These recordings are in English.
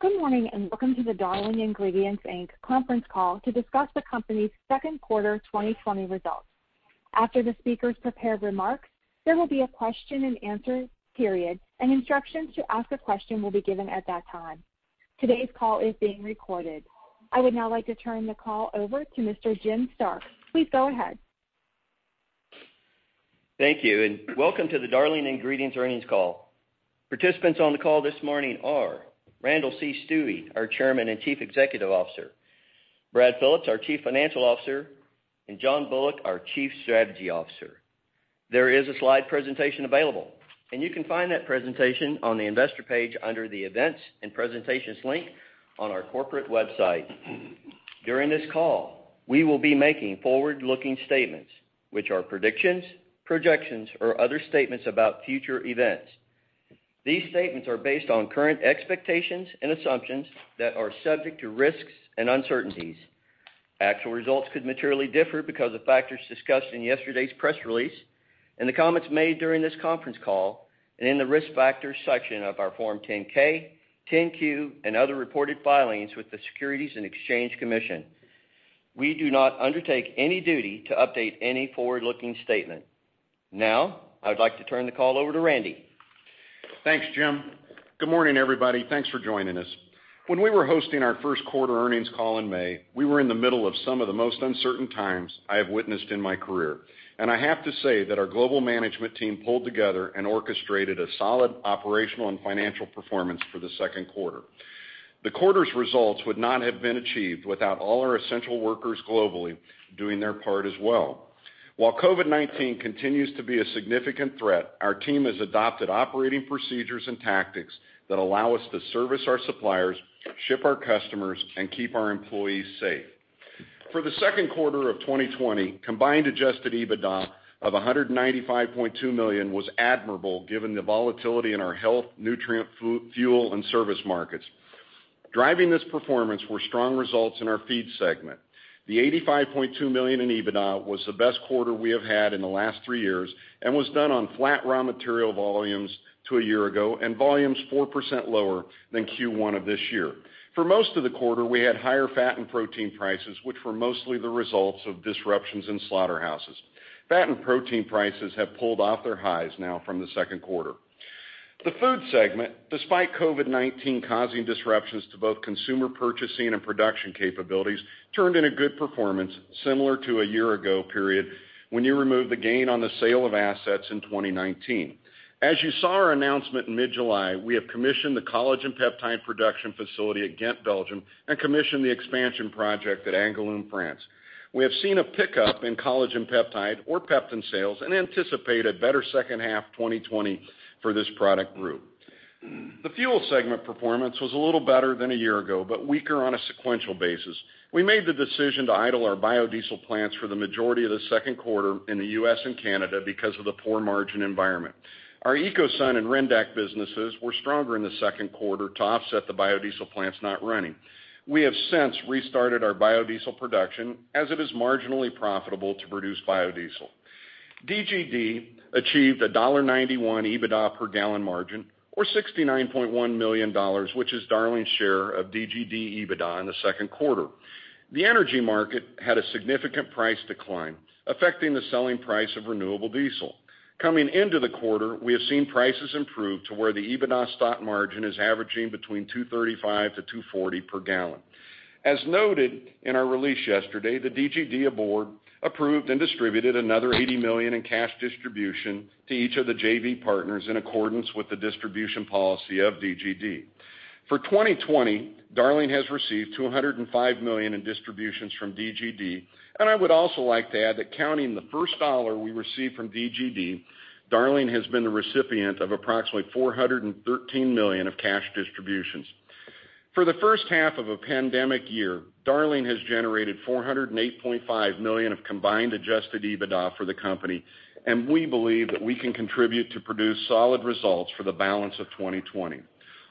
Good morning and welcome to the Darling Ingredients Inc. conference call to discuss the company's second quarter 2020 results. After the speakers prepare remarks, there will be a question and answer period, and instructions to ask a question will be given at that time. Today's call is being recorded. I would now like to turn the call over to Mr. Jim Stark. Please go ahead. Thank you, and welcome to the Darling Ingredients earnings call. Participants on the call this morning are Randall C. Stuewe, our Chairman and Chief Executive Officer, Brad Phillips, our Chief Financial Officer, and John Bullock, our Chief Strategy Officer. There is a slide presentation available, and you can find that presentation on the investor page under the events and presentations link on our corporate website. During this call, we will be making forward-looking statements, which are predictions, projections, or other statements about future events. These statements are based on current expectations and assumptions that are subject to risks and uncertainties. Actual results could materially differ because of factors discussed in yesterday's press release, in the comments made during this conference call, and in the risk factors section of our Form 10-K, 10-Q, and other reported filings with the Securities and Exchange Commission. We do not undertake any duty to update any forward-looking statement. Now, I would like to turn the call over to Randy. Thanks, Jim. Good morning, everybody. Thanks for joining us. When we were hosting our first quarter earnings call in May, we were in the middle of some of the most uncertain times I have witnessed in my career, and I have to say that our global management team pulled together and orchestrated a solid operational and financial performance for the second quarter. The quarter's results would not have been achieved without all our essential workers globally doing their part as well. While COVID-19 continues to be a significant threat, our team has adopted operating procedures and tactics that allow us to service our suppliers, ship our customers, and keep our employees safe. For the second quarter of 2020, combined Adjusted EBITDA of $195.2 million was admirable given the volatility in our health, nutrient, fuel, and service markets. Driving this performance were strong results in our feed segment. The $85.2 million in EBITDA was the best quarter we have had in the last three years and was done on flat raw material volumes to a year ago and volumes 4% lower than Q1 of this year. For most of the quarter, we had higher fat and protein prices, which were mostly the results of disruptions in slaughterhouses. Fat and protein prices have pulled off their highs now from the second quarter. The food segment, despite COVID-19 causing disruptions to both consumer purchasing and production capabilities, turned in a good performance similar to a year ago period when you removed the gain on the sale of assets in 2019. As you saw our announcement in mid-July, we have commissioned the collagen peptide production facility at Ghent, Belgium and commissioned the expansion project at Angoulême, France. We have seen a pickup in collagen peptide or Peptan sales and anticipate a better second half 2020 for this product group. The fuel segment performance was a little better than a year ago but weaker on a sequential basis. We made the decision to idle our biodiesel plants for the majority of the second quarter in the U.S. and Canada because of the poor margin environment. Our Ecoson and Rendac businesses were stronger in the second quarter to offset the biodiesel plants not running. We have since restarted our biodiesel production as it is marginally profitable to produce biodiesel. DGD achieved a $1.91 EBITDA per gallon margin or $69.1 million, which is Darling's share of DGD EBITDA in the second quarter. The energy market had a significant price decline affecting the selling price of renewable diesel. Coming into the quarter, we have seen prices improve to where the EBITDA spot margin is averaging between $2.35-$2.40 per gallon. As noted in our release yesterday, the DGD board approved and distributed another $80 million in cash distribution to each of the JV partners in accordance with the distribution policy of DGD. For 2020, Darling has received $205 million in distributions from DGD, and I would also like to add that counting the first dollar we received from DGD, Darling has been the recipient of approximately $413 million of cash distributions. For the first half of a pandemic year, Darling has generated $408.5 million of combined Adjusted EBITDA for the company, and we believe that we can continue to produce solid results for the balance of 2020.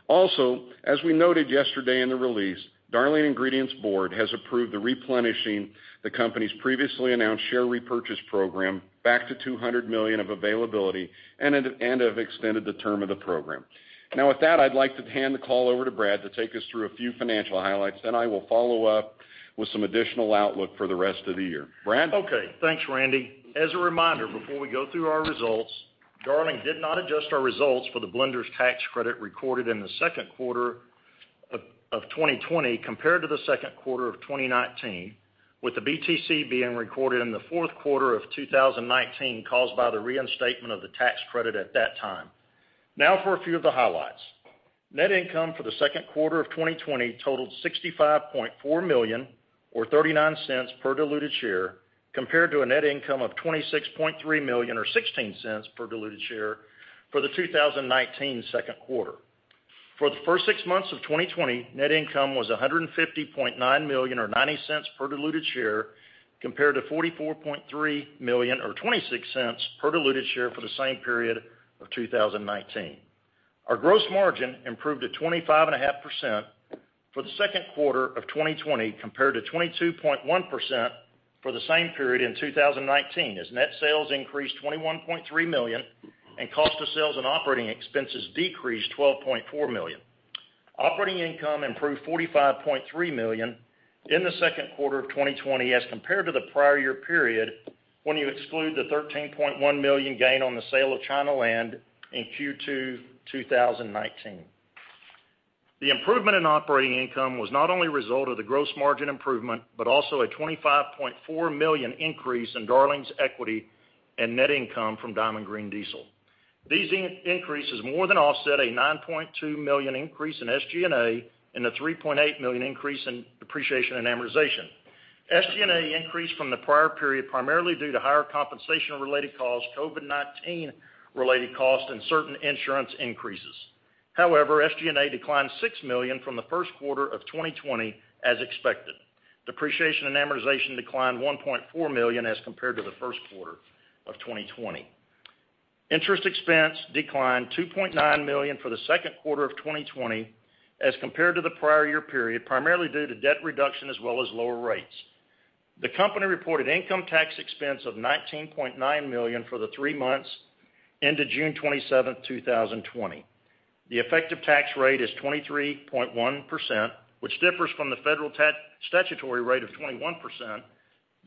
Also, as we noted yesterday in the release, Darling Ingredients board has approved the replenishing the company's previously announced share repurchase program back to $200 million of availability and have extended the term of the program. Now, with that, I'd like to hand the call over to Brad to take us through a few financial highlights, then I will follow up with some additional outlook for the rest of the year. Brad. Okay. Thanks, Randy. As a reminder, before we go through our results, Darling did not adjust our results for the blender's tax credit recorded in the second quarter of 2020 compared to the second quarter of 2019, with the BTC being recorded in the fourth quarter of 2019 caused by the reinstatement of the tax credit at that time. Now for a few of the highlights. Net income for the second quarter of 2020 totaled $65.4 million or $0.39 per diluted share compared to a net income of $26.3 million or $0.16 per diluted share for the 2019 second quarter. For the first six months of 2020, net income was $150.9 million or $0.90 per diluted share compared to $44.3 million or $0.26 per diluted share for the same period of 2019. Our gross margin improved to 25.5% for the second quarter of 2020 compared to 22.1% for the same period in 2019 as net sales increased $21.3 million and cost of sales and operating expenses decreased $12.4 million. Operating income improved $45.3 million in the second quarter of 2020 as compared to the prior year period when you exclude the $13.1 million gain on the sale of China land in Q2 2019. The improvement in operating income was not only a result of the gross margin improvement but also a $25.4 million increase in Darling's equity and net income from Diamond Green Diesel. These increases more than offset a $9.2 million increase in SG&A and a $3.8 million increase in depreciation and amortization. SG&A increased from the prior period primarily due to higher compensation-related costs, COVID-19-related costs, and certain insurance increases. However, SG&A declined $6 million from the first quarter of 2020 as expected. Depreciation and amortization declined $1.4 million as compared to the first quarter of 2020. Interest expense declined $2.9 million for the second quarter of 2020 as compared to the prior year period primarily due to debt reduction as well as lower rates. The company reported income tax expense of $19.9 million for the three months ended June 27, 2020. The effective tax rate is 23.1%, which differs from the federal statutory rate of 21%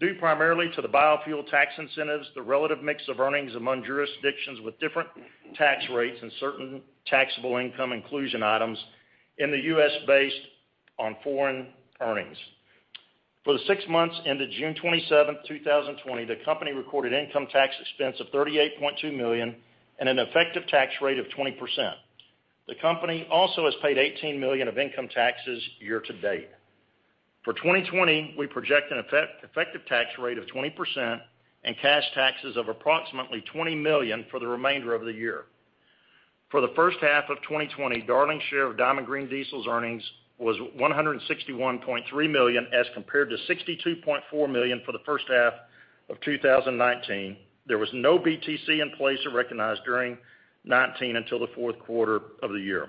due primarily to the biofuel tax incentives, the relative mix of earnings among jurisdictions with different tax rates, and certain taxable income inclusion items in the U.S. based on foreign earnings. For the six months ended June 27, 2020, the company recorded income tax expense of $38.2 million and an effective tax rate of 20%. The company also has paid $18 million of income taxes year to date. For 2020, we project an effective tax rate of 20% and cash taxes of approximately $20 million for the remainder of the year. For the first half of 2020, Darling's share of Diamond Green Diesel's earnings was $161.3 million as compared to $62.4 million for the first half of 2019. There was no BTC in place or recognized during 2019 until the fourth quarter of the year.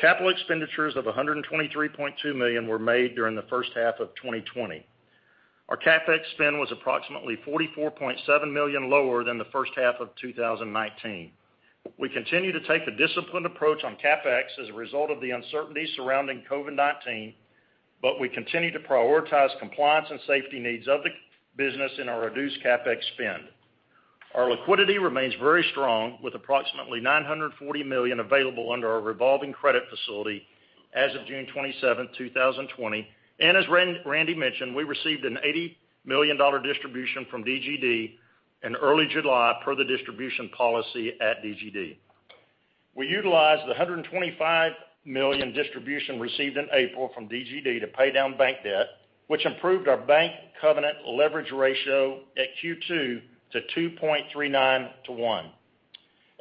Capital expenditures of $123.2 million were made during the first half of 2020. Our CapEx spend was approximately $44.7 million lower than the first half of 2019. We continue to take a disciplined approach on CapEx as a result of the uncertainties surrounding COVID-19, but we continue to prioritize compliance and safety needs of the business in our reduced CapEx spend. Our liquidity remains very strong with approximately $940 million available under our revolving credit facility as of June 27, 2020. And as Randy mentioned, we received an $80 million distribution from DGD in early July per the distribution policy at DGD. We utilized the $125 million distribution received in April from DGD to pay down bank debt, which improved our bank covenant leverage ratio at Q2-2.39 to 1.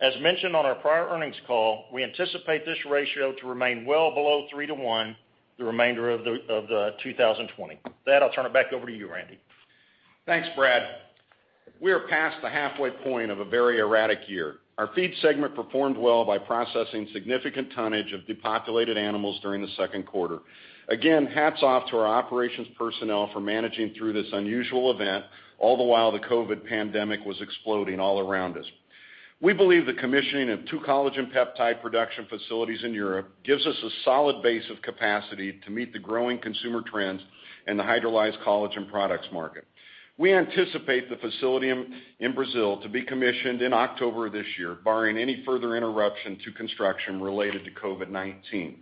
As mentioned on our prior earnings call, we anticipate this ratio to remain well below 3-1 the remainder of 2020. That, I'll turn it back over to you, Randy. Thanks, Brad. We are past the halfway point of a very erratic year. Our feed segment performed well by processing significant tonnage of depopulated animals during the second quarter. Again, hats off to our operations personnel for managing through this unusual event all the while the COVID pandemic was exploding all around us. We believe the commissioning of two collagen peptide production facilities in Europe gives us a solid base of capacity to meet the growing consumer trends in the hydrolyzed collagen products market. We anticipate the facility in Brazil to be commissioned in October of this year, barring any further interruption to construction related to COVID-19.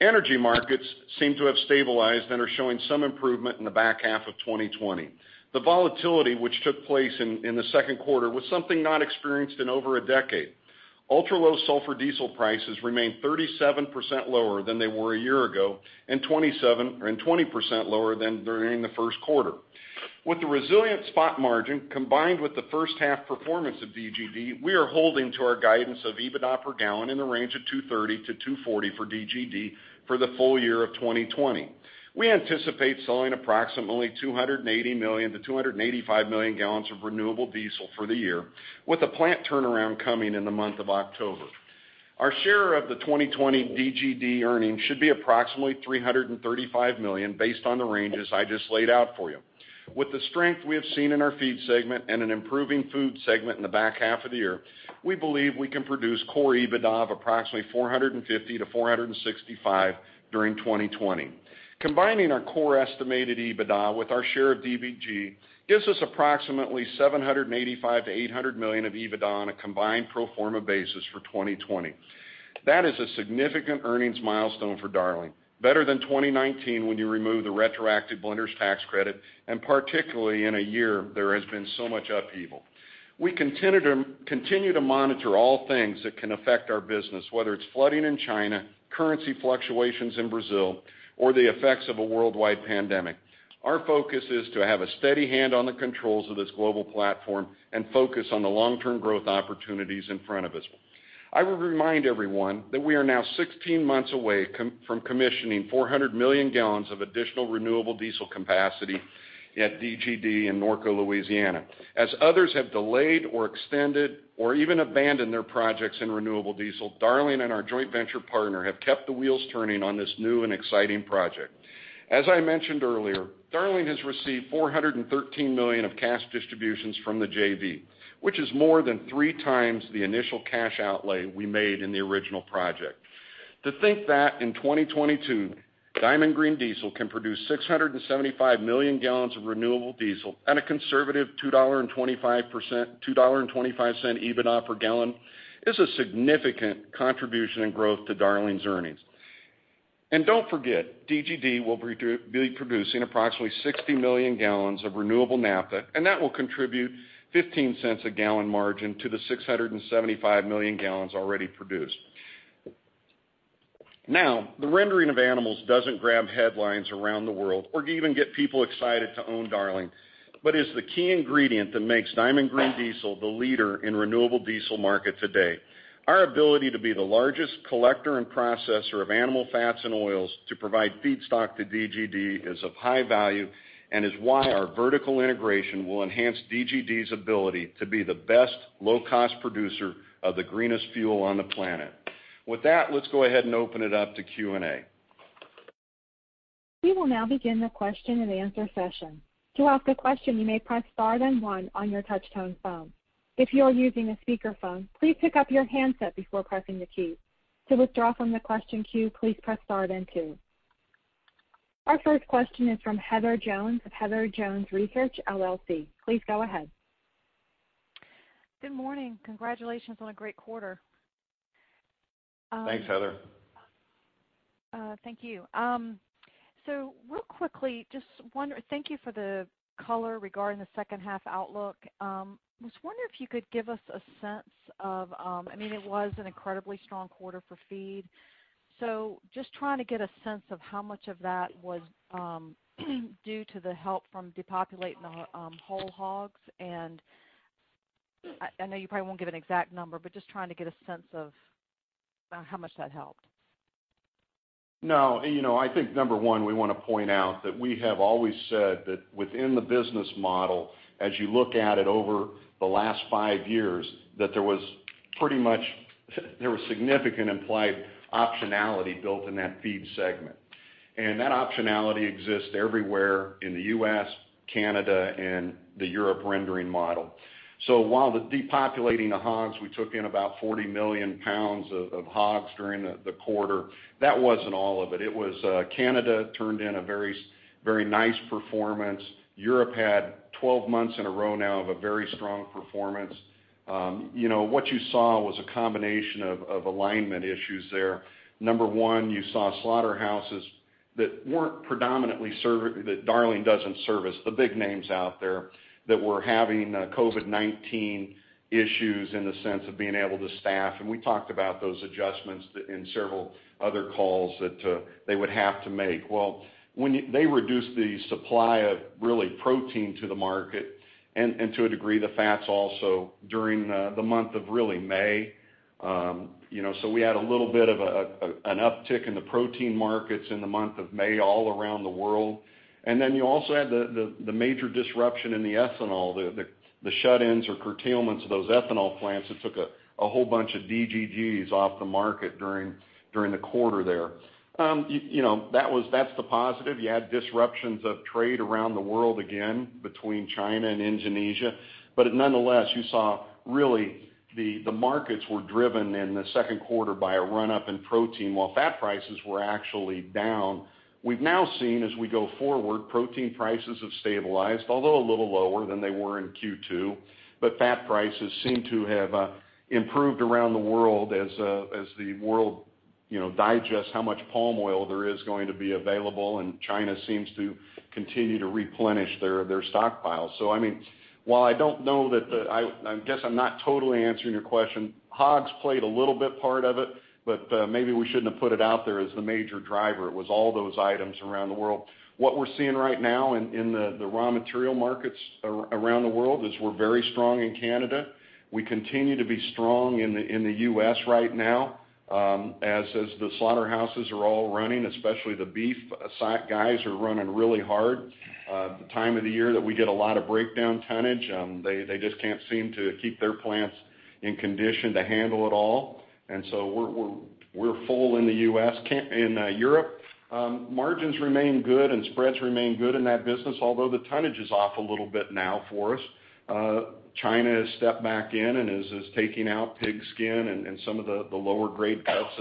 Energy markets seem to have stabilized and are showing some improvement in the back half of 2020. The volatility which took place in the second quarter was something not experienced in over a decade. Ultra-low sulfur diesel prices remain 37% lower than they were a year ago and 20% lower than during the first quarter. With the resilient spot margin combined with the first half performance of DGD, we are holding to our guidance of EBITDA per gallon in the range of $230-$240 for DGD for the full year of 2020. We anticipate selling approximately 280 million-285 million gallons of renewable diesel for the year, with the plant turnaround coming in the month of October. Our share of the 2020 DGD earnings should be approximately $335 million based on the ranges I just laid out for you. With the strength we have seen in our feed segment and an improving food segment in the back half of the year, we believe we can produce core EBITDA of approximately $450-$465 during 2020. Combining our core estimated EBITDA with our share of DGD gives us approximately $785-$800 million of EBITDA on a combined pro forma basis for 2020. That is a significant earnings milestone for Darling, better than 2019 when you remove the retroactive Blender's Tax Credit, and particularly in a year there has been so much upheaval. We continue to monitor all things that can affect our business, whether it's flooding in China, currency fluctuations in Brazil, or the effects of a worldwide pandemic. Our focus is to have a steady hand on the controls of this global platform and focus on the long-term growth opportunities in front of us. I would remind everyone that we are now 16 months away from commissioning 400 million gallons of additional renewable diesel capacity at DGD in Norco, Louisiana. As others have delayed or extended or even abandoned their projects in renewable diesel, Darling and our joint venture partner have kept the wheels turning on this new and exciting project. As I mentioned earlier, Darling has received $413 million of cash distributions from the JV, which is more than three times the initial cash outlay we made in the original project. To think that in 2022, Diamond Green Diesel can produce 675 million gallons of renewable diesel at a conservative $2.25 EBITDA per gallon is a significant contribution in growth to Darling's earnings, and don't forget, DGD will be producing approximately 60 million gallons of renewable naphtha, and that will contribute $0.15 a gallon margin to the 675 million gallons already produced. Now, the rendering of animals doesn't grab headlines around the world or even get people excited to own Darling, but is the key ingredient that makes Diamond Green Diesel the leader in the renewable diesel market today. Our ability to be the largest collector and processor of animal fats and oils to provide feedstock to DGD is of high value and is why our vertical integration will enhance DGD's ability to be the best low-cost producer of the greenest fuel on the planet. With that, let's go ahead and open it up to Q&A. We will now begin the question and answer session. To ask a question, you may press STAR then one on your touch-tone phone. If you are using a speakerphone, please pick up your handset before pressing the key. To withdraw from the question queue, please press STAR then 2. Our first question is from Heather Jones of Heather Jones Research LLC. Please go ahead. Good morning. Congratulations on a great quarter. Thanks, Heather. Thank you. So, real quickly, just wondering, thank you for the color regarding the second half outlook. I was wondering if you could give us a sense of—I mean, it was an incredibly strong quarter for feed. So, just trying to get a sense of how much of that was due to the help from depopulating the whole hogs. And I know you probably won't give an exact number, but just trying to get a sense of how much that helped. No. You know, I think number one, we want to point out that we have always said that within the business model, as you look at it over the last five years, that there was pretty much significant implied optionality built in that feed segment. And that optionality exists everywhere in the U.S., Canada, and the European rendering model. So while depopulating the hogs, we took in about 40 million pounds of hogs during the quarter. That wasn't all of it. It was Canada turned in a very, very nice performance. Europe had 12 months in a row now of a very strong performance. You know, what you saw was a combination of alignment issues there. Number one, you saw slaughterhouses that weren't predominantly that Darling doesn't service, the big names out there that were having COVID-19 issues in the sense of being able to staff. We talked about those adjustments in several other calls that they would have to make. They reduced the supply of raw protein to the market and to a degree the fats also during the month of early May. You know, so we had a little bit of an uptick in the protein markets in the month of May all around the world. Then you also had the major disruption in the ethanol, the shut-ins or curtailments of those ethanol plants that took a whole bunch of DDGs off the market during the quarter there. You know, that's the positive. You had disruptions of trade around the world again between China and Indonesia. Nonetheless, you saw that the markets were driven in the second quarter by a run-up in protein while fat prices were actually down. We've now seen as we go forward, protein prices have stabilized, although a little lower than they were in Q2. But fat prices seem to have improved around the world as the world, you know, digests how much palm oil there is going to be available, and China seems to continue to replenish their stockpiles. So I mean, while I don't know that I guess I'm not totally answering your question, hogs played a little bit part of it, but maybe we shouldn't have put it out there as the major driver. It was all those items around the world. What we're seeing right now in the raw material markets around the world is we're very strong in Canada. We continue to be strong in the U.S. right now as the slaughterhouses are all running, especially the beef guys are running really hard. The time of the year that we get a lot of breakdown tonnage, they just can't seem to keep their plants in condition to handle it all, and so we're full in the U.S. In Europe, margins remain good and spreads remain good in that business, although the tonnage is off a little bit now for us. China has stepped back in and is taking out pig skin and some of the lower-grade cuts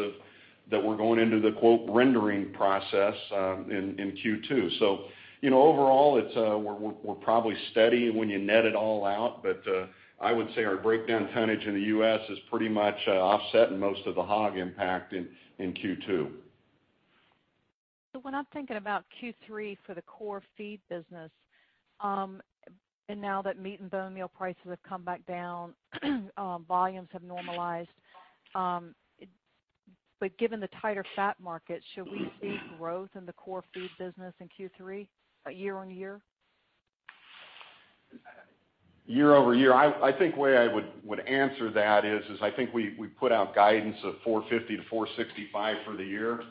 that we're going into the "rendering process" in Q2, so you know, overall, we're probably steady when you net it all out, but I would say our breakdown tonnage in the U.S. is pretty much offsetting most of the hog impact in Q2. So when I'm thinking about Q3 for the core feed business, and now that meat and bone meal prices have come back down, volumes have normalized, but given the tighter fat markets, should we see growth in the core feed business in Q3 year on year? Year-over-year, I think the way I would answer that is I think we put out guidance of $450-$465 for the year,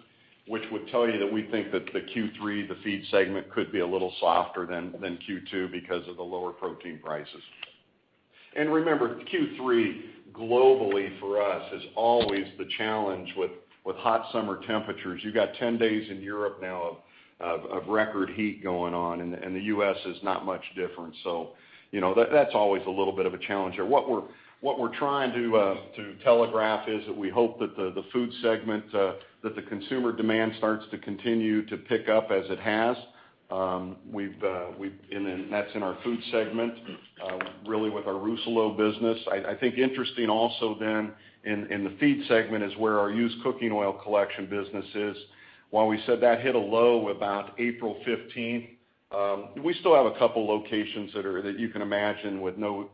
which would tell you that we think that the Q3, the feed segment, could be a little softer than Q2 because of the lower protein prices. And remember, Q3 globally for us is always the challenge with hot summer temperatures. You've got 10 days in Europe now of record heat going on, and the U.S. is not much different. So you know, that's always a little bit of a challenge there. What we're trying to telegraph is that we hope that the food segment, that the consumer demand starts to continue to pick up as it has. And that's in our food segment, really with our Rousselot business. I think interesting also then in the feed segment is where our used cooking oil collection business is. While we said that hit a low about April 15th, we still have a couple locations that you can imagine with no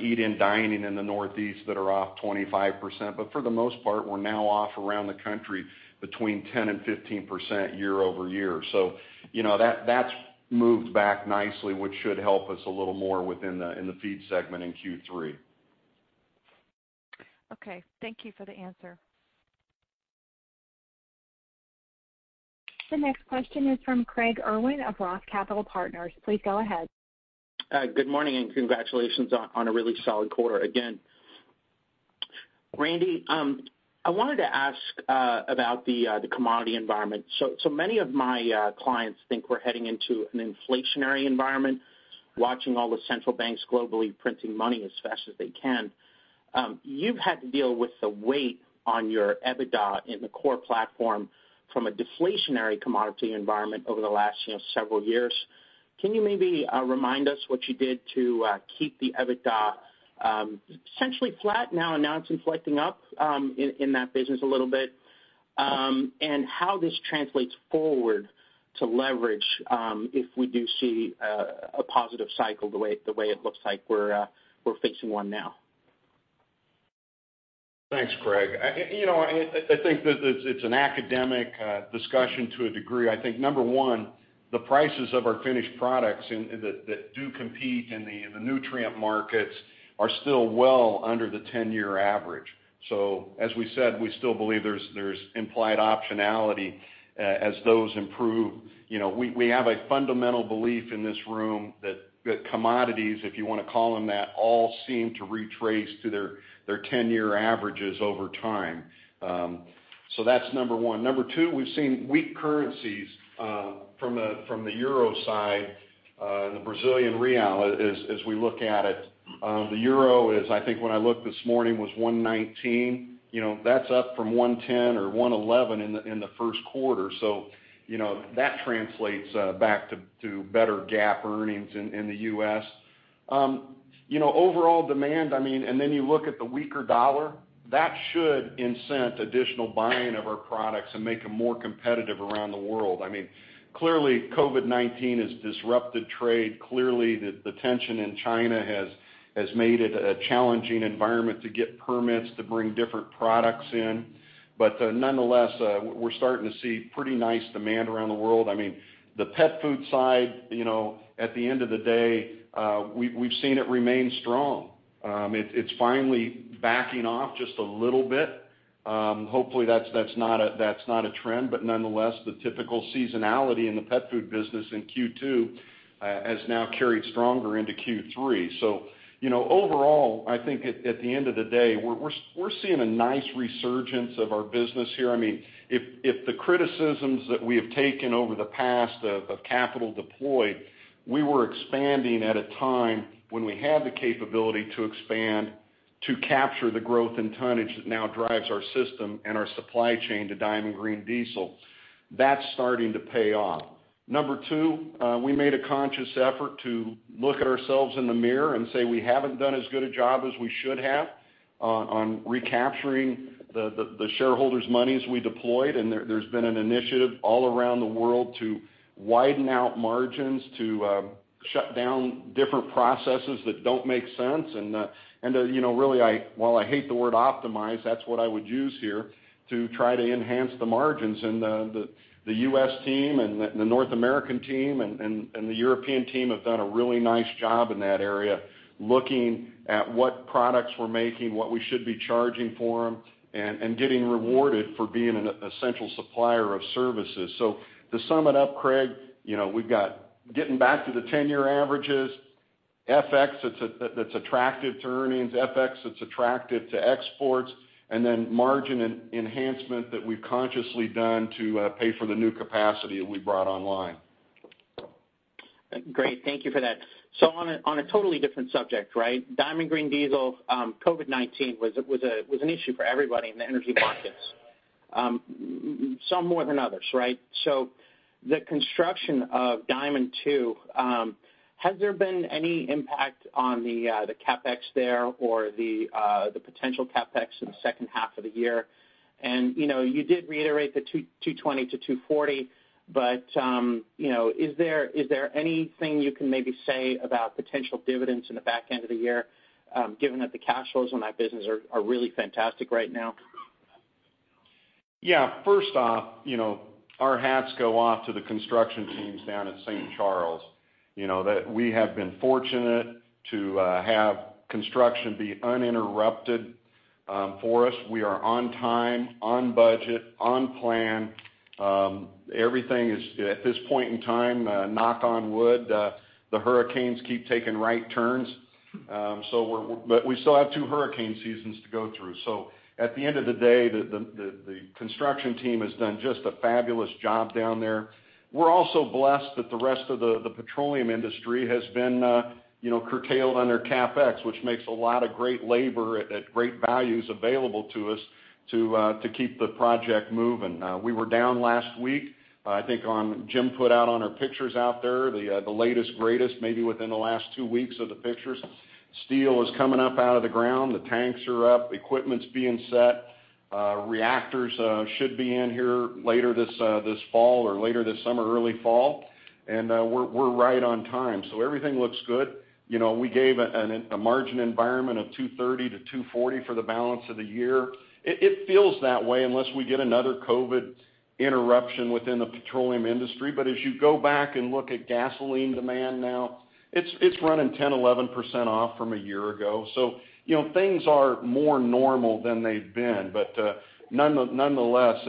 eat-in dining in the Northeast that are off 25%. But for the most part, we're now off around the country between 10% and 15% year-over year. So you know, that's moved back nicely, which should help us a little more within the feed segment in Q3. Okay. Thank you for the answer. The next question is from Craig Irwin of Roth Capital Partners. Please go ahead. Good morning and congratulations on a really solid quarter. Again, Randy, I wanted to ask about the commodity environment. So many of my clients think we're heading into an inflationary environment, watching all the central banks globally printing money as fast as they can. You've had to deal with the weight on your EBITDA in the core platform from a deflationary commodity environment over the last several years. Can you maybe remind us what you did to keep the EBITDA essentially flat now, and now it's inflecting up in that business a little bit, and how this translates forward to leverage if we do see a positive cycle the way it looks like we're facing one now? Thanks, Craig. You know, I think that it's an academic discussion to a degree. I think number one, the prices of our finished products that do compete in the nutrient markets are still well under the 10-year average. So as we said, we still believe there's implied optionality as those improve. You know, we have a fundamental belief in this room that commodities, if you want to call them that, all seem to retrace to their 10-year averages over time. So that's number one. Number two, we've seen weak currencies from the euro side and the Brazilian real as we look at it. The euro is, I think when I looked this morning, was $1.19. You know, that's up from $1.10 or $1.11 in the first quarter. So you know, that translates back to better gap earnings in the U.S. You know, overall demand, I mean, and then you look at the weaker dollar, that should incent additional buying of our products and make them more competitive around the world. I mean, clearly, COVID-19 has disrupted trade. Clearly, the tension in China has made it a challenging environment to get permits to bring different products in. But nonetheless, we're starting to see pretty nice demand around the world. I mean, the pet food side, you know, at the end of the day, we've seen it remain strong. It's finally backing off just a little bit. Hopefully, that's not a trend. But nonetheless, the typical seasonality in the pet food business in Q2 has now carried stronger into Q3. So you know, overall, I think at the end of the day, we're seeing a nice resurgence of our business here. I mean, if the criticisms that we have taken over the past of capital deployed, we were expanding at a time when we had the capability to expand to capture the growth in tonnage that now drives our system and our supply chain to Diamond Green Diesel. That's starting to pay off. Number two, we made a conscious effort to look at ourselves in the mirror and say we haven't done as good a job as we should have on recapturing the shareholders' money as we deployed, and there's been an initiative all around the world to widen out margins, to shut down different processes that don't make sense, and you know, really, while I hate the word optimize, that's what I would use here to try to enhance the margins. And the U.S. team and the North American team and the European team have done a really nice job in that area, looking at what products we're making, what we should be charging for them, and getting rewarded for being an essential supplier of services. So to sum it up, Craig, you know, we've got getting back to the 10-year averages, FX that's attractive to earnings, FX that's attractive to exports, and then margin enhancement that we've consciously done to pay for the new capacity that we brought online. Great. Thank you for that. So on a totally different subject, right, Diamond Green Diesel, COVID-19 was an issue for everybody in the energy markets, some more than others, right? So the construction of Diamond II, has there been any impact on the CapEx there or the potential CapEx in the second half of the year? And you know, you did reiterate the $220-$240, but you know, is there anything you can maybe say about potential dividends in the back end of the year, given that the cash flows in that business are really fantastic right now? Yeah. First off, you know, our hats go off to the construction teams down at St. Charles. You know, we have been fortunate to have construction be uninterrupted for us. We are on time, on budget, on plan. Everything is, at this point in time, knock on wood, the hurricanes keep taking right turns. But we still have two hurricane seasons to go through. So at the end of the day, the construction team has done just a fabulous job down there. We're also blessed that the rest of the petroleum industry has been, you know, curtailed under CapEx, which makes a lot of great labor at great values available to us to keep the project moving. We were down last week. I think Jim put out our pictures out there, the latest, greatest, maybe within the last two weeks of the pictures. Steel is coming up out of the ground. The tanks are up, equipment's being set. Reactors should be in here later this fall or later this summer, early fall, and we're right on time. Everything looks good. You know, we gave a margin environment of $230-$240 for the balance of the year. It feels that way unless we get another COVID interruption within the petroleum industry. As you go back and look at gasoline demand now, it's running 10%-11% off from a year ago. You know, things are more normal than they've been. Nonetheless,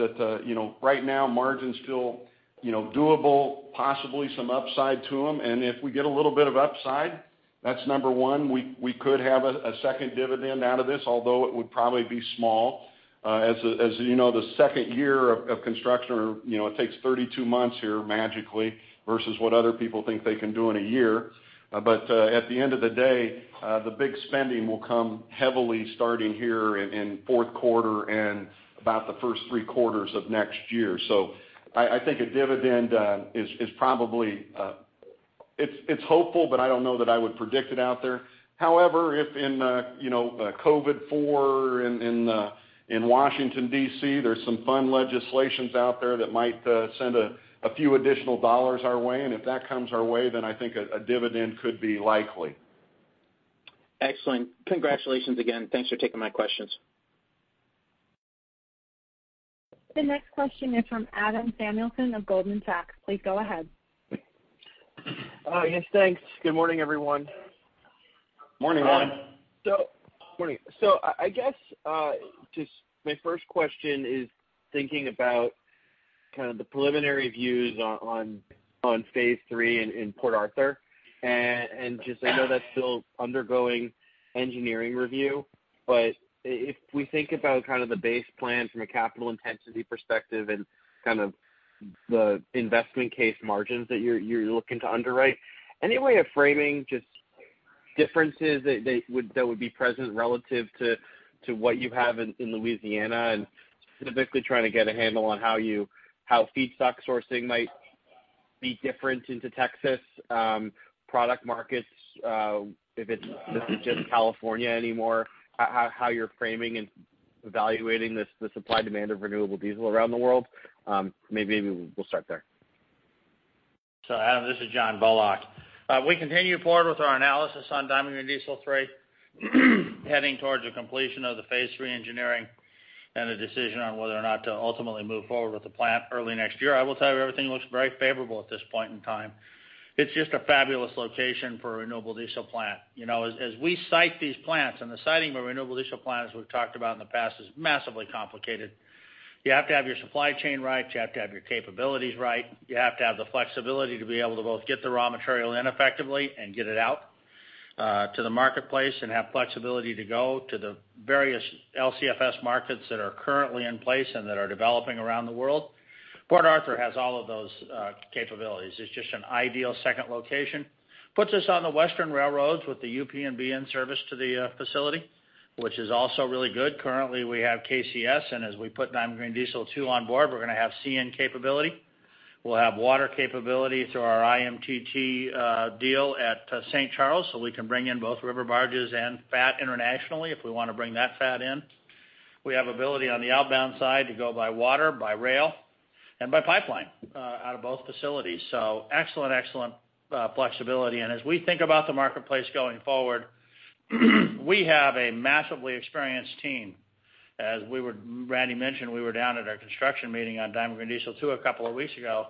you know, right now, margin's still, you know, doable, possibly some upside to them. If we get a little bit of upside, that's number one. We could have a second dividend out of this, although it would probably be small. As you know, the second year of construction, you know, it takes 32 months here magically versus what other people think they can do in a year. But at the end of the day, the big spending will come heavily starting here in fourth quarter and about the first three quarters of next year. So I think a dividend is probably; it's hopeful, but I don't know that I would predict it out there. However, if in, you know, COVID IV in Washington, D.C., there's some fun legislations out there that might send a few additional dollars our way. And if that comes our way, then I think a dividend could be likely. Excellent. Congratulations again. Thanks for taking my questions. The next question is from Adam Samuelson of Goldman Sachs. Please go ahead. Yes, thanks. Good morning, everyone. Morning, Randy. So I guess just my first question is thinking about kind of the preliminary views on Phase III in Port Arthur. And just I know that's still undergoing engineering review. But if we think about kind of the base plan from a capital intensity perspective and kind of the investment case margins that you're looking to underwrite, any way of framing just differences that would be present relative to what you have in Louisiana and specifically trying to get a handle on how feedstock sourcing might be different into Texas, product markets, if it's just California anymore, how you're framing and evaluating the supply demand of renewable diesel around the world? Maybe we'll start there. So Adam, this is John Bullock. We continue forward with our analysis on Diamond Green Diesel III, heading towards the completion of the phase three engineering and the decision on whether or not to ultimately move forward with the plant early next year. I will tell you everything looks very favorable at this point in time. It's just a fabulous location for a renewable diesel plant. You know, as we site these plants, and the siting of a renewable diesel plant, as we've talked about in the past, is massively complicated. You have to have your supply chain right. You have to have your capabilities right. You have to have the flexibility to be able to both get the raw material in effectively and get it out to the marketplace and have flexibility to go to the various LCFS markets that are currently in place and that are developing around the world. Port Arthur has all of those capabilities. It's just an ideal second location. Puts us on the western railroads with the UP and BN service to the facility, which is also really good. Currently, we have KCS. And as we put Diamond Green Diesel II on board, we're going to have CN capability. We'll have water capability through our IMTT deal at St. Charles so we can bring in both river barges and fat internationally if we want to bring that fat in. We have ability on the outbound side to go by water, by rail, and by pipeline out of both facilities. So excellent, excellent flexibility. And as we think about the marketplace going forward, we have a massively experienced team. As Randy mentioned, we were down at our construction meeting on Diamond Green Diesel II a couple of weeks ago.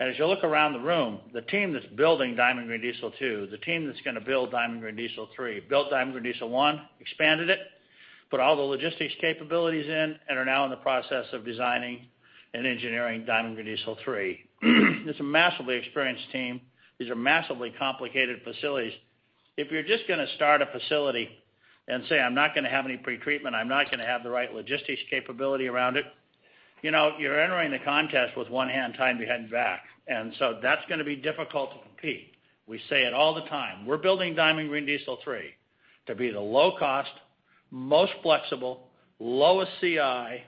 And as you look around the room, the team that's building Diamond Green Diesel II, the team that's going to build Diamond Green Diesel III, built Diamond Green Diesel I, expanded it, put all the logistics capabilities in, and are now in the process of designing and engineering Diamond Green Diesel III. It's a massively experienced team. These are massively complicated facilities. If you're just going to start a facility and say, "I'm not going to have any pretreatment. I'm not going to have the right logistics capability around it," you know, you're entering the contest with one hand tied behind your back. And so that's going to be difficult to compete. We say it all the time. We're building Diamond Green Diesel III to be the low-cost, most flexible, lowest CI,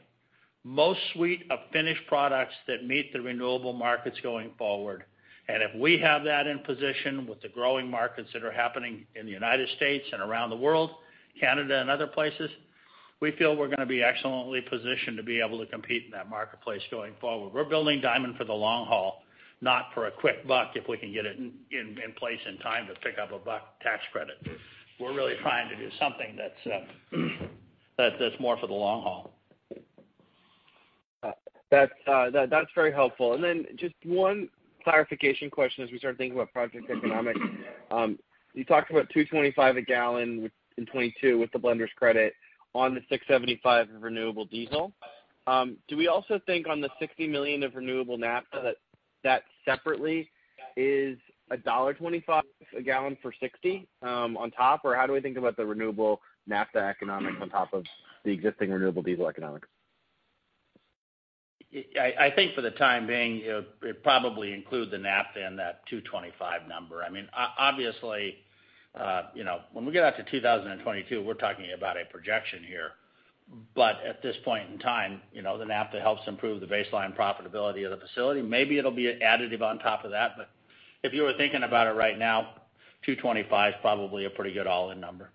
most suite of finished products that meet the renewable markets going forward. And if we have that in position with the growing markets that are happening in the United States and around the world, Canada, and other places, we feel we're going to be excellently positioned to be able to compete in that marketplace going forward. We're building Diamond for the long haul, not for a quick buck if we can get it in place in time to pick up a buck tax credit. We're really trying to do something that's more for the long haul. That's very helpful. And then just one clarification question as we started thinking about project economics. You talked about $225 a gallon in 2022 with the blender's credit on the $675 of renewable diesel. Do we also think on the $60 million of renewable naphtha that that separately is $1.25 a gallon for $60 on top? Or how do we think about the renewable naphtha economics on top of the existing renewable diesel economics? I think for the time being, it probably includes the naphtha in that $225 number. I mean, obviously, you know, when we get out to 2022, we're talking about a projection here. But at this point in time, you know, the naphtha helps improve the baseline profitability of the facility. Maybe it'll be an additive on top of that. But if you were thinking about it right now, $225 is probably a pretty good all-in number.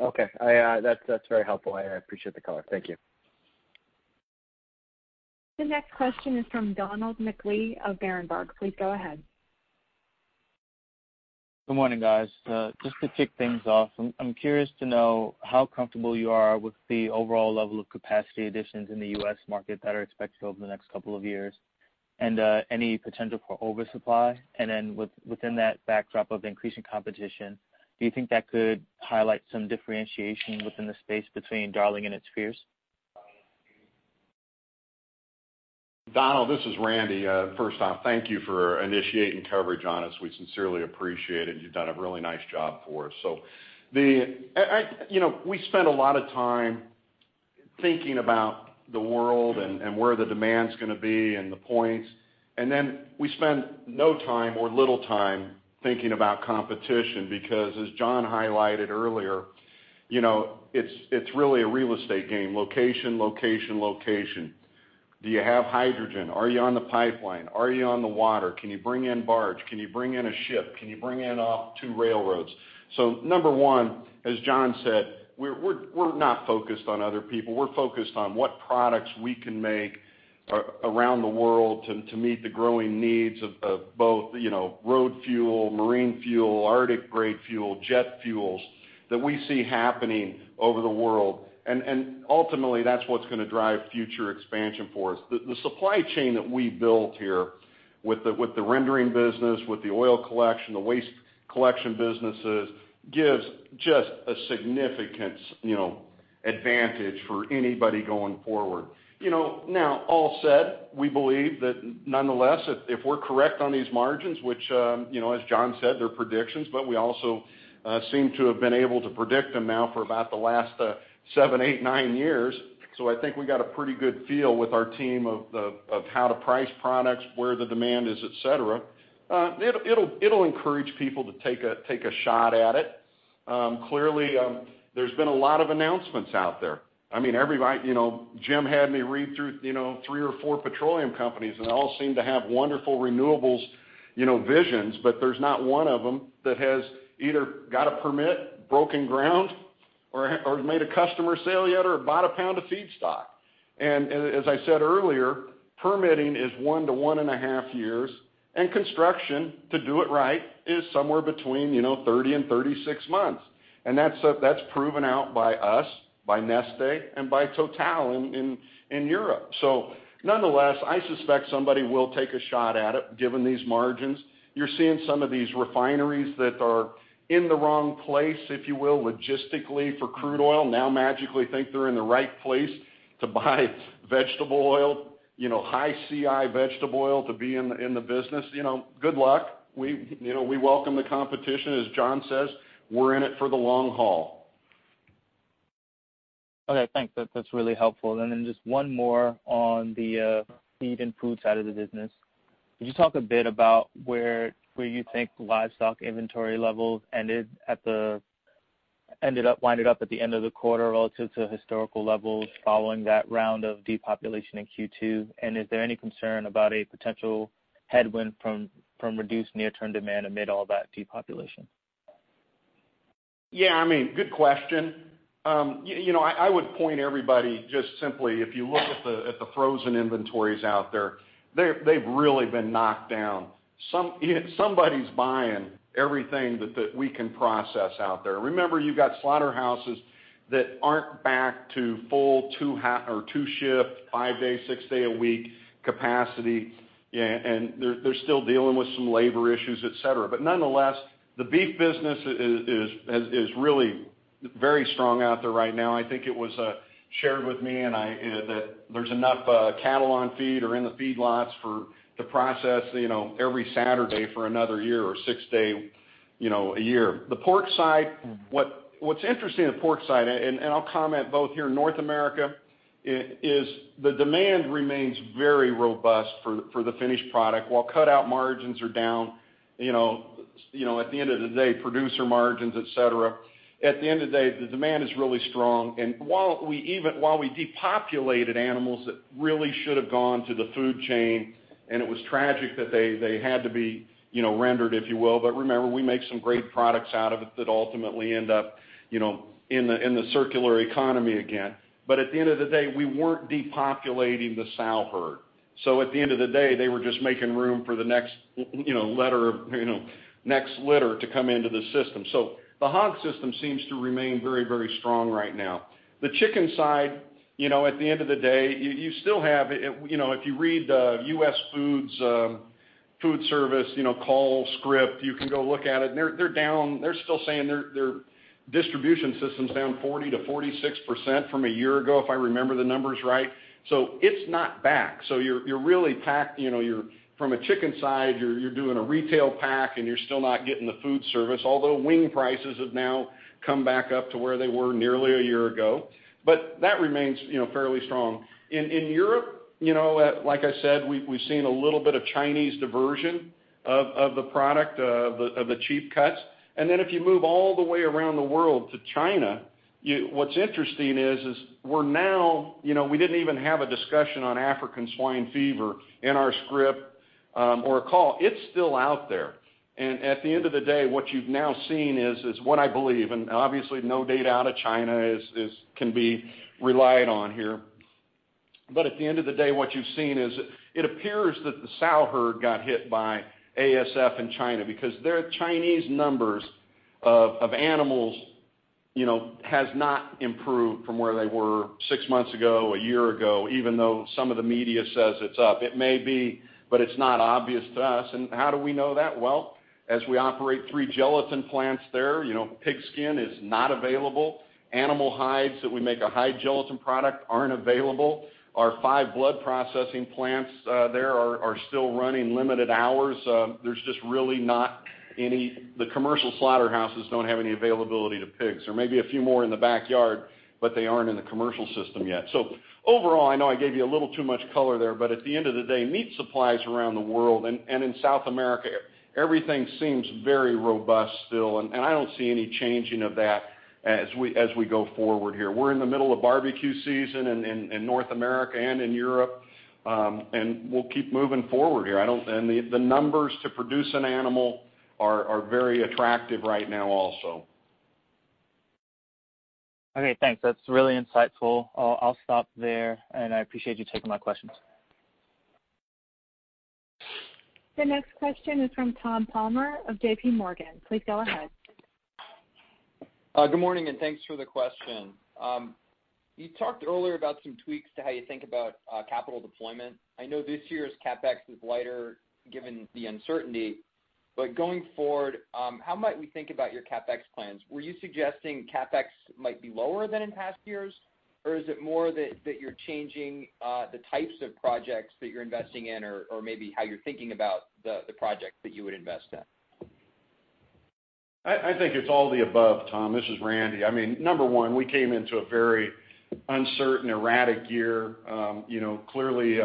Okay. That's very helpful. I appreciate the color. Thank you. The next question is from Donald McLee of Berenberg. Please go ahead. Good morning, guys. Just to kick things off, I'm curious to know how comfortable you are with the overall level of capacity additions in the U.S. market that are expected over the next couple of years and any potential for oversupply, and then within that backdrop of increasing competition, do you think that could highlight some differentiation within the space between Darling and its peers? Donald, this is Randy. First off, thank you for initiating coverage, honestly. We sincerely appreciate it. You've done a really nice job for us. So the, you know, we spend a lot of time thinking about the world and where the demand's going to be and the points. And then we spend no time or little time thinking about competition because, as John highlighted earlier, you know, it's really a real estate game: location, location, location. Do you have hydrogen? Are you on the pipeline? Are you on the water? Can you bring in barge? Can you bring in a ship? Can you bring in off two railroads? So number one, as John said, we're not focused on other people. We're focused on what products we can make around the world to meet the growing needs of both, you know, road fuel, marine fuel, Arctic-grade fuel, jet fuels that we see happening over the world. And ultimately, that's what's going to drive future expansion for us. The supply chain that we built here with the rendering business, with the oil collection, the waste collection businesses gives just a significant, you know, advantage for anybody going forward. You know, now all said, we believe that nonetheless, if we're correct on these margins, which, you know, as John said, they're predictions, but we also seem to have been able to predict them now for about the last seven, eight, nine years. So I think we got a pretty good feel with our team of how to price products, where the demand is, et cetera. It'll encourage people to take a shot at it. Clearly, there's been a lot of announcements out there. I mean, everybody, you know, Jim had me read through, you know, three or four petroleum companies, and they all seem to have wonderful renewables, you know, visions, but there's not one of them that has either got a permit, broken ground, or made a customer sale yet, or bought a pound of feedstock, and as I said earlier, permitting is one to one and a half years, and construction, to do it right, is somewhere between, you know, 30 and 36 months, and that's proven out by us, by Neste, and by Total in Europe, so nonetheless, I suspect somebody will take a shot at it given these margins. You're seeing some of these refineries that are in the wrong place, if you will, logistically for crude oil. Now magically think they're in the right place to buy vegetable oil, you know, high CI vegetable oil to be in the business. You know, good luck. We, you know, we welcome the competition. As John says, we're in it for the long haul. Okay. Thanks. That's really helpful. And then just one more on the feed and food side of the business. Could you talk a bit about where you think livestock inventory levels ended up at the end of the quarter relative to historical levels following that round of depopulation in Q2? And is there any concern about a potential headwind from reduced near-term demand amid all that depopulation? Yeah. I mean, good question. You know, I would point everybody just simply, if you look at the frozen inventories out there, they've really been knocked down. Somebody's buying everything that we can process out there. Remember, you've got slaughterhouses that aren't back to full two-shift, five-day, six-day-a-week capacity. And they're still dealing with some labor issues, et cetera. But nonetheless, the beef business is really very strong out there right now. I think it was shared with me that there's enough cattle on feed or in the feedlots for to process, you know, every Saturday for another year or six-day, you know, a year. The pork side, what's interesting in the pork side, and I'll comment both here, North America, is the demand remains very robust for the finished product while cut-out margins are down. You know, at the end of the day, producer margins, et cetera. At the end of the day, the demand is really strong, and while we depopulated animals that really should have gone to the food chain, and it was tragic that they had to be, you know, rendered, if you will, but remember, we make some great products out of it that ultimately end up, you know, in the circular economy again, but at the end of the day, we weren't depopulating the sow herd, so at the end of the day, they were just making room for the next, you know, letter of, you know, next litter to come into the system, so the hog system seems to remain very, very strong right now. The chicken side, you know, at the end of the day, you still have, you know, if you read US Foodservice call script, you can go look at it. They're down. They're still saying their distribution system's down 40%-46% from a year ago, if I remember the numbers right. So it's not back. So you're really packed, you know, from a chicken side. You're doing a retail pack, and you're still not getting the food service. Although wing prices have now come back up to where they were nearly a year ago. But that remains, you know, fairly strong. In Europe, you know, like I said, we've seen a little bit of Chinese diversion of the product, of the cheap cuts. And then if you move all the way around the world to China, what's interesting is we're now, you know, we didn't even have a discussion on African Swine Fever in our script or a call. It's still out there. At the end of the day, what you've now seen is what I believe, and obviously no data out of China can be relied on here. At the end of the day, what you've seen is it appears that the sow herd got hit by ASF in China because their Chinese numbers of animals, you know, have not improved from where they were six months ago, a year ago, even though some of the media says it's up. It may be, but it's not obvious to us. How do we know that? As we operate three gelatin plants there, you know, pig skin is not available. Animal hides that we make a hide gelatin product aren't available. Our five blood processing plants there are still running limited hours. There's just really not any. The commercial slaughterhouses don't have any availability to pigs. There may be a few more in the backyard, but they aren't in the commercial system yet, so overall, I know I gave you a little too much color there, but at the end of the day, meat supplies around the world and in South America, everything seems very robust still, and I don't see any changing of that as we go forward here. We're in the middle of barbecue season in North America and in Europe, and we'll keep moving forward here, and the numbers to produce an animal are very attractive right now also. Okay. Thanks. That's really insightful. I'll stop there. And I appreciate you taking my questions. The next question is from Tom Palmer of JPMorgan. Please go ahead. Good morning and thanks for the question. You talked earlier about some tweaks to how you think about capital deployment. I know this year's CapEx is lighter given the uncertainty. But going forward, how might we think about your CapEx plans? Were you suggesting CapEx might be lower than in past years? Or is it more that you're changing the types of projects that you're investing in or maybe how you're thinking about the projects that you would invest in? I think it's all the above, Tom. This is Randy. I mean, number one, we came into a very uncertain, erratic year. You know, clearly,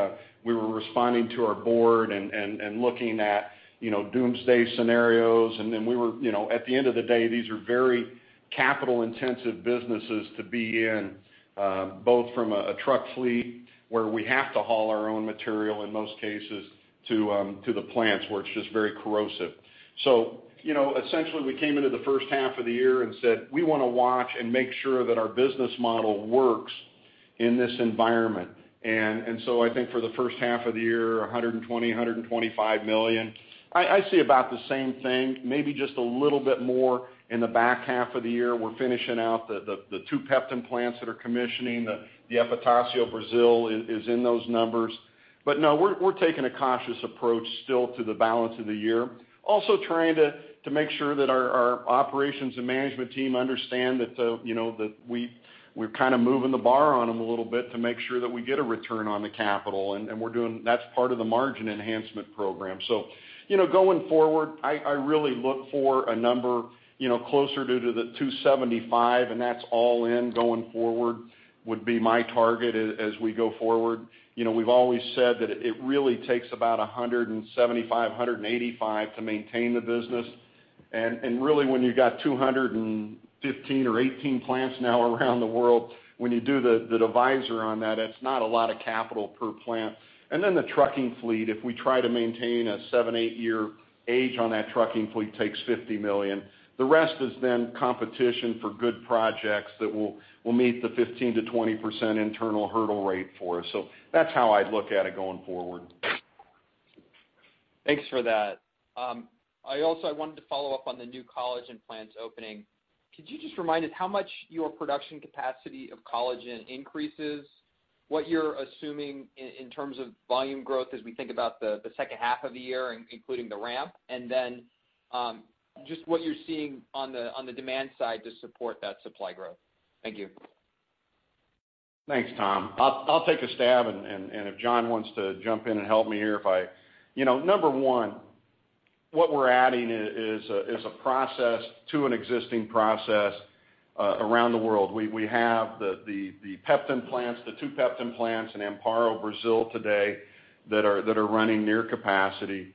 we were responding to our board and looking at, you know, doomsday scenarios. And then we were, you know, at the end of the day, these are very capital-intensive businesses to be in, both from a truck fleet where we have to haul our own material in most cases to the plants where it's just very corrosive. So, you know, essentially, we came into the first half of the year and said, we want to watch and make sure that our business model works in this environment. And so I think for the first half of the year, $120 million-$125 million. I see about the same thing, maybe just a little bit more in the back half of the year. We're finishing out the two Peptan plants that are commissioning. The Presidente Epitácio, Brazil is in those numbers, but no, we're taking a cautious approach still to the balance of the year, also trying to make sure that our operations and management team understand that, you know, that we're kind of moving the bar on them a little bit to make sure that we get a return on the capital, and we're doing, that's part of the margin enhancement program, so, you know, going forward, I really look for a number, you know, closer to the 275, and that's all in going forward would be my target as we go forward, you know, we've always said that it really takes about 175-185 to maintain the business. Really, when you've got 215 or 18 plants now around the world, when you do the divisor on that, that's not a lot of capital per plant. And then the trucking fleet, if we try to maintain a seven- or eight-year age on that trucking fleet, takes $50 million. The rest is then competition for good projects that will meet the 15%-20% internal hurdle rate for us. So that's how I'd look at it going forward. Thanks for that. I also, I wanted to follow up on the new collagen plants opening. Could you just remind us how much your production capacity of collagen increases, what you're assuming in terms of volume growth as we think about the second half of the year, including the ramp, and then just what you're seeing on the demand side to support that supply growth? Thank you. Thanks, Tom. I'll take a stab. And if John wants to jump in and help me here, if I, you know, number one, what we're adding is a process to an existing process around the world. We have the Peptan plants, the two Peptan plants in Amparo, Brazil today that are running near capacity.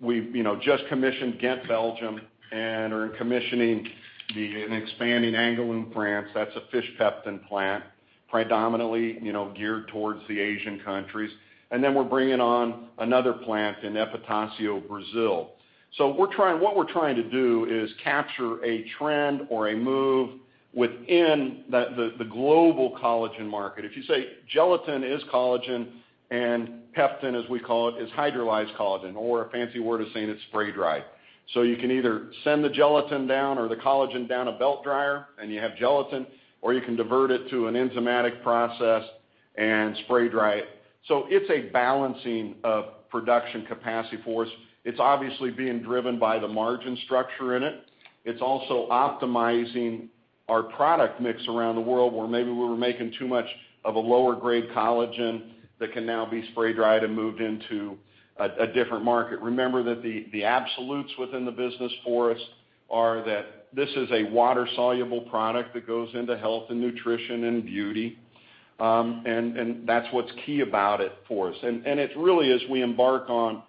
We've, you know, just commissioned Ghent, Belgium and are commissioning the expanding Angoulême, France. That's a fish Peptan plant, predominantly, you know, geared towards the Asian countries. And then we're bringing on another plant in Presidente Epitácio, Brazil. So we're trying, what we're trying to do is capture a trend or a move within the global collagen market. If you say gelatin is collagen and Peptan, as we call it, is hydrolyzed collagen, or a fancy word is saying it's spray dried. So you can either send the gelatin down or the collagen down a belt dryer and you have gelatin, or you can divert it to an enzymatic process and spray dry it. So it's a balancing of production capacity for us. It's obviously being driven by the margin structure in it. It's also optimizing our product mix around the world where maybe we were making too much of a lower-grade collagen that can now be spray dried and moved into a different market. Remember that the absolutes within the business for us are that this is a water-soluble product that goes into health and nutrition and beauty. And that's what's key about it for us. And it really is we embark on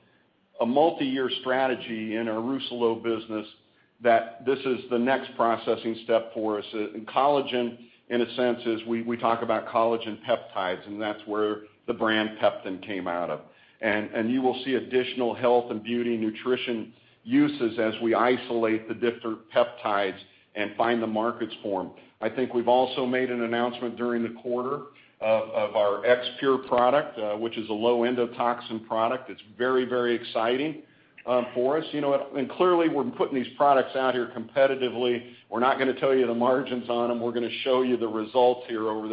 a multi-year strategy in our Rousselot business that this is the next processing step for us. And collagen, in a sense, is we talk about collagen peptides, and that's where the brand Peptan came out of. And you will see additional health and beauty nutrition uses as we isolate the different peptides and find the markets for them. I think we've also made an announcement during the quarter of our X-Pure product, which is a low-endotoxin product. It's very, very exciting for us. You know, and clearly we're putting these products out here competitively. We're not going to tell you the margins on them. We're going to show you the results here over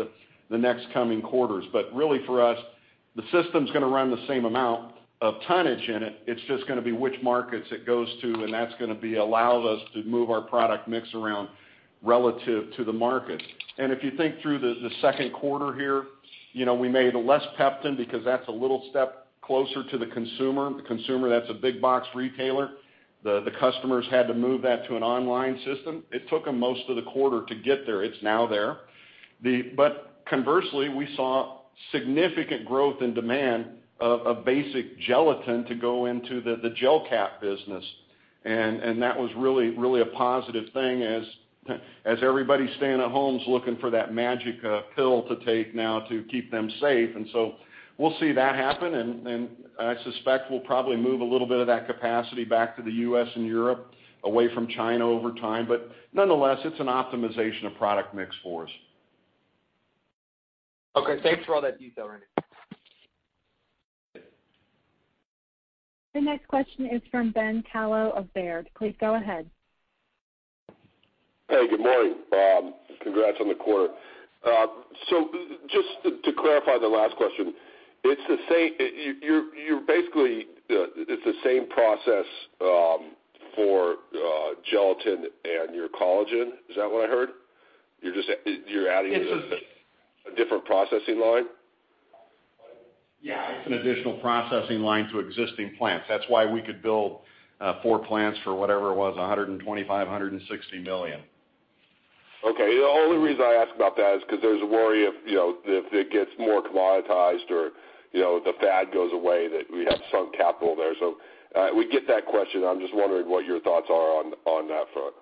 the next coming quarters. But really for us, the system's going to run the same amount of tonnage in it. It's just going to be which markets it goes to. And that's going to allow us to move our product mix around relative to the market. And if you think through the second quarter here, you know, we made less Peptan because that's a little step closer to the consumer. The consumer, that's a big-box retailer. The customers had to move that to an online system. It took them most of the quarter to get there. It's now there. But conversely, we saw significant growth in demand of basic gelatin to go into the gelcap business. And that was really, really a positive thing as everybody's staying at home looking for that magic pill to take now to keep them safe. And so we'll see that happen. And I suspect we'll probably move a little bit of that capacity back to the U.S. and Europe away from China over time. But nonetheless, it's an optimization of product mix for us. Okay. Thanks for all that detail, Randy. The next question is from Ben Kallo of Baird. Please go ahead. Hey, good morning. Congrats on the quarter. So just to clarify the last question, it's the same, you're basically, it's the same process for gelatin and your collagen. Is that what I heard? You're adding a different processing line? Yeah, it's an additional processing line to existing plants. That's why we could build four plants for whatever it was, $125-160 million. Okay. The only reason I ask about that is because there's a worry of, you know, if it gets more commoditized or, you know, the fad goes away that we have some capital there. So we get that question. I'm just wondering what your thoughts are on that front.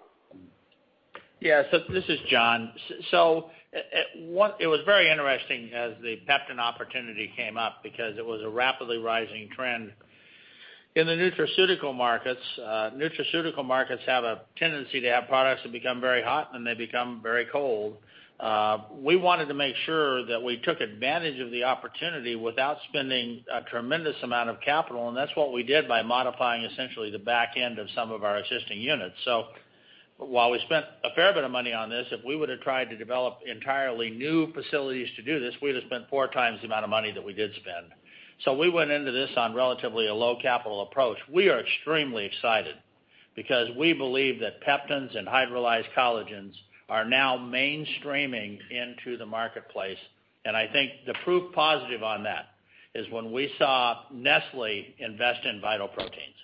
Yeah. This is John. It was very interesting as the Peptan opportunity came up because it was a rapidly rising trend in the nutraceutical markets. Nutraceutical markets have a tendency to have products that become very hot and then they become very cold. We wanted to make sure that we took advantage of the opportunity without spending a tremendous amount of capital. And that's what we did by modifying essentially the back end of some of our existing units. While we spent a fair bit of money on this, if we would have tried to develop entirely new facilities to do this, we'd have spent four times the amount of money that we did spend. We went into this on relatively a low capital approach. We are extremely excited because we believe that Peptan and hydrolyzed collagens are now mainstreaming into the marketplace. I think the proof positive on that is when we saw Nestlé invest in Vital Proteins.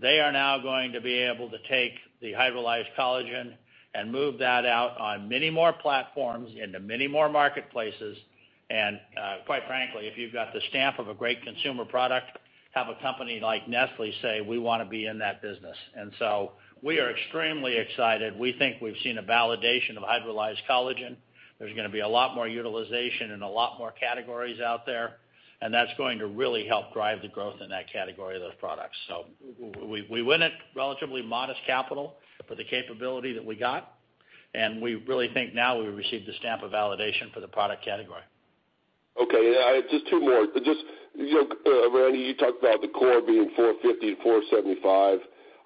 They are now going to be able to take the hydrolyzed collagen and move that out on many more platforms into many more marketplaces. Quite frankly, if you've got the stamp of a great consumer product, have a company like Nestlé say, we want to be in that business. So we are extremely excited. We think we've seen a validation of hydrolyzed collagen. There's going to be a lot more utilization and a lot more categories out there. That's going to really help drive the growth in that category of those products. We went at relatively modest capital for the capability that we got. We really think now we received the stamp of validation for the product category. Okay. Just two more. Just, you know, Randy, you talked about the core being 450 and 475.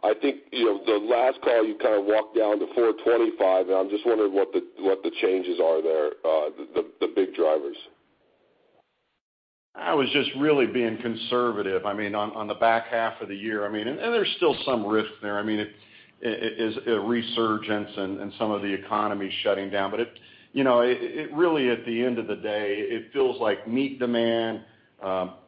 I think, you know, the last call you kind of walked down to 425. And I'm just wondering what the changes are there, the big drivers? I was just really being conservative. I mean, on the back half of the year, I mean, and there's still some risk there. I mean, it is a resurgence and some of the economy shutting down. But, you know, it really at the end of the day, it feels like meat demand,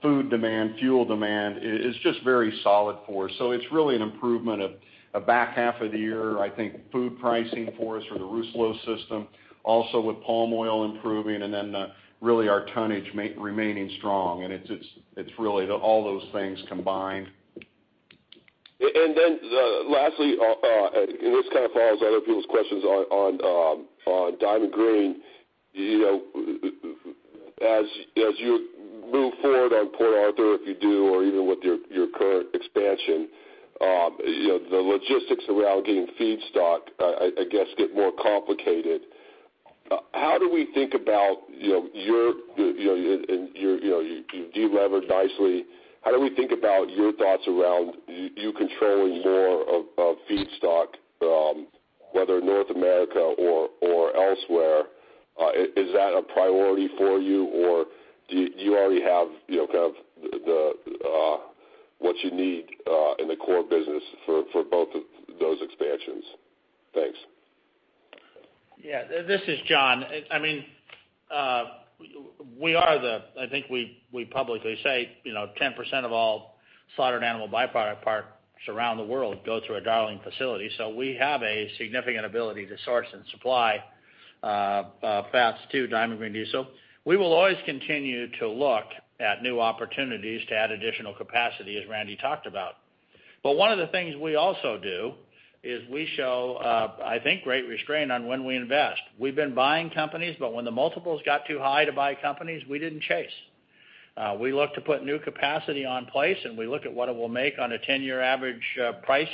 food demand, fuel demand is just very solid for us. So it's really an improvement of the back half of the year. I think food pricing for us or the Rousselot system, also with palm oil improving, and then really our tonnage remaining strong. And it's really all those things combined. And then lastly, and this kind of follows other people's questions on Diamond Green, you know, as you move forward on Port Arthur, if you do, or even with your current expansion, you know, the logistics around getting feedstock, I guess, get more complicated. How do we think about, you know, your, you know, you've delivered nicely. How do we think about your thoughts around you controlling more of feedstock, whether North America or elsewhere? Is that a priority for you? Or do you already have, you know, kind of what you need in the core business for both of those expansions? Thanks. Yeah. This is John. I mean, we are the, I think we publicly say, you know, 10% of all slaughtered animal byproduct parts around the world go through a Darling facility. So we have a significant ability to source and supply fats to Diamond Green Diesel. We will always continue to look at new opportunities to add additional capacity as Randy talked about. But one of the things we also do is we show, I think, great restraint on when we invest. We've been buying companies, but when the multiples got too high to buy companies, we didn't chase. We look to put new capacity in place, and we look at what it will make on a 10-year average price,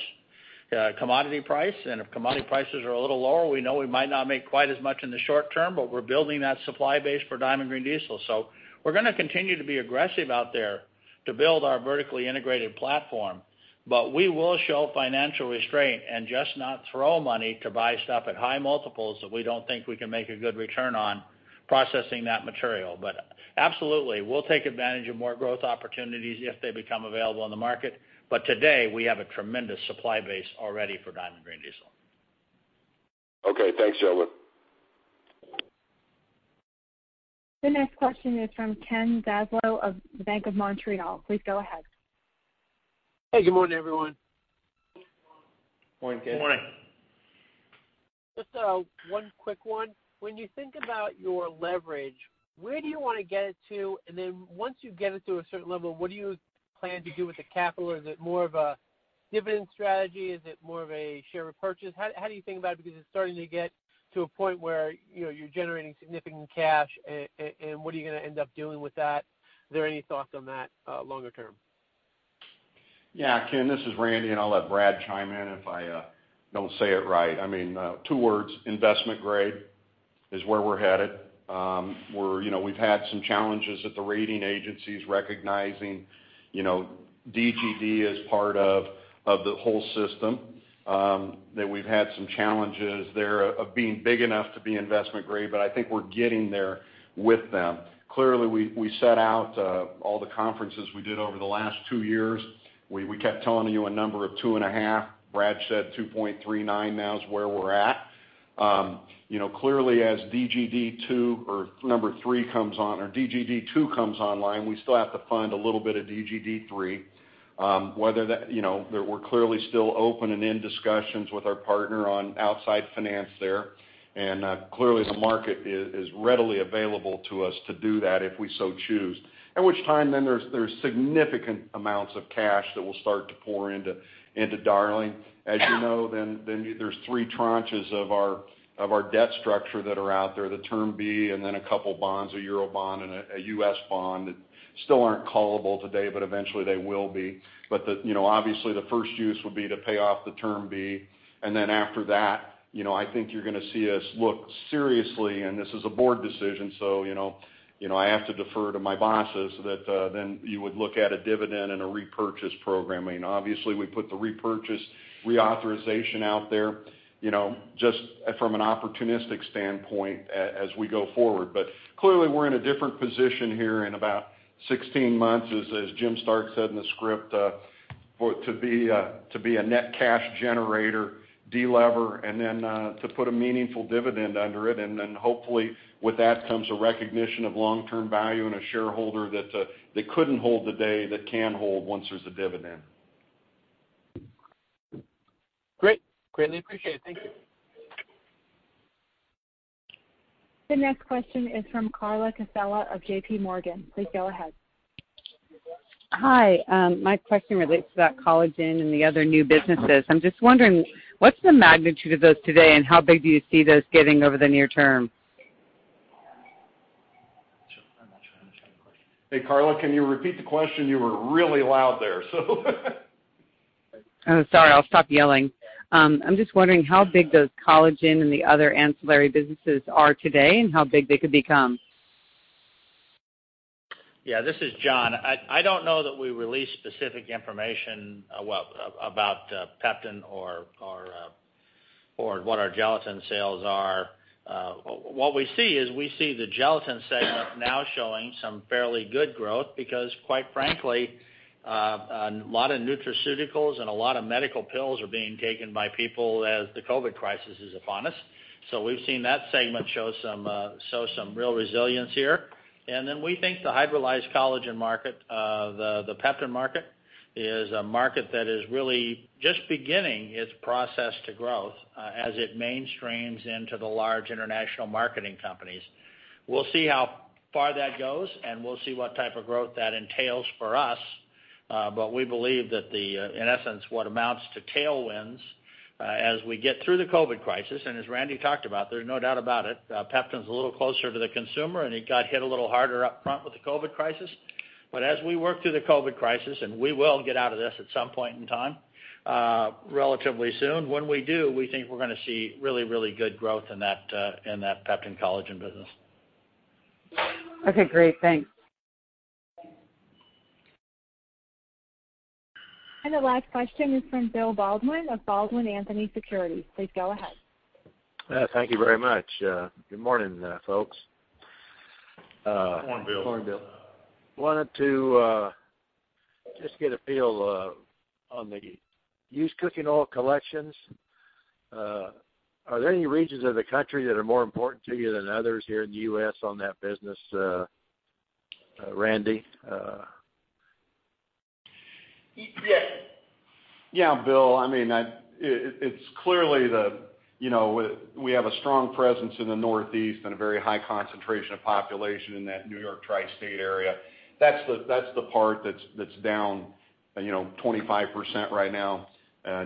commodity price. And if commodity prices are a little lower, we know we might not make quite as much in the short term, but we're building that supply base for Diamond Green Diesel. So we're going to continue to be aggressive out there to build our vertically integrated platform. But we will show financial restraint and just not throw money to buy stuff at high multiples that we don't think we can make a good return on processing that material. But absolutely, we'll take advantage of more growth opportunities if they become available in the market. But today, we have a tremendous supply base already for Diamond Green Diesel. Okay. Thanks, John. The next question is from Ken Zaslow of the Bank of Montreal. Please go ahead. Hey, good morning, everyone. Good morning, Ken. Good morning. Just one quick one. When you think about your leverage, where do you want to get it to? And then once you get it to a certain level, what do you plan to do with the capital? Is it more of a dividend strategy? Is it more of a share repurchase? How do you think about it? Because it's starting to get to a point where, you know, you're generating significant cash. And what are you going to end up doing with that? Are there any thoughts on that longer term? Yeah, Ken, this is Randy. And I'll let Brad chime in if I don't say it right. I mean, two words, investment grade is where we're headed. We're, you know, we've had some challenges at the rating agencies recognizing, you know, DGD as part of the whole system. That we've had some challenges there of being big enough to be investment grade. But I think we're getting there with them. Clearly, we set out all the conferences we did over the last two years. We kept telling you a number of two and a half. Brad said 2.39 now is where we're at. You know, clearly, as DGD2 or number three comes on, or DGD2 comes online, we still have to fund a little bit of DGD3. Whether that, you know, we're clearly still open and in discussions with our partner on outside finance there. And clearly, the market is readily available to us to do that if we so choose. At which time then there's significant amounts of cash that will start to pour into Darling. As you know, then there's three tranches of our debt structure that are out there, the Term B, and then a couple bonds, a Eurobond and a U.S. bond that still aren't callable today, but eventually they will be. But, you know, obviously the first use would be to pay off the Term B. And then after that, you know, I think you're going to see us look seriously. And this is a board decision. So, you know, I have to defer to my bosses that then you would look at a dividend and a repurchase program. I mean, obviously we put the repurchase reauthorization out there, you know, just from an opportunistic standpoint as we go forward. But clearly, we're in a different position here in about 16 months, as Jim Stark said in the script, to be a net cash generator, delever, and then to put a meaningful dividend under it. And then hopefully with that comes a recognition of long-term value and a shareholder that couldn't hold today that can hold once there's a dividend. Great. Greatly appreciate it. Thank you. The next question is from Carla Casella of JPMorgan. Please go ahead. Hi. My question relates to that collagen and the other new businesses. I'm just wondering, what's the magnitude of those today and how big do you see those getting over the near term? Hey, Carla, can you repeat the question? You were really loud there. Oh, sorry. I'll stop yelling. I'm just wondering how big those collagen and the other ancillary businesses are today and how big they could become. Yeah, this is John. I don't know that we released specific information about Peptan or what our gelatin sales are. What we see is we see the gelatin segment now showing some fairly good growth because, quite frankly, a lot of nutraceuticals and a lot of medical pills are being taken by people as the COVID crisis is upon us. So we've seen that segment show some real resilience here. And then we think the hydrolyzed collagen market, the Peptan market, is a market that is really just beginning its process to growth as it mainstreams into the large international marketing companies. We'll see how far that goes and we'll see what type of growth that entails for us. But we believe that the, in essence, what amounts to tailwinds as we get through the COVID crisis. And as Randy talked about, there's no doubt about it. Peptan's a little closer to the consumer and it got hit a little harder up front with the COVID crisis. But as we work through the COVID crisis, and we will get out of this at some point in time, relatively soon, when we do, we think we're going to see really, really good growth in that Peptan collagen business. Okay. Great. Thanks. The last question is from Bill Baldwin, of Baldwin Anthony Securities. Please go ahead. Thank you very much. Good morning, folks. Good morning, Bill. Wanted to just get a feel on the used cooking oil collections. Are there any regions of the country that are more important to you than others here in the U.S. on that business, Randy? Yeah. Yeah, Bill. I mean, it's clearly the, you know, we have a strong presence in the Northeast and a very high concentration of population in that New York Tri-State area. That's the part that's down, you know, 25% right now